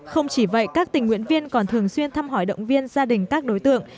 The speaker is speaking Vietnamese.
không chỉ vậy các tình nguyện viên còn thường xuyên thăm hỏi động viên gia đình các đối tượng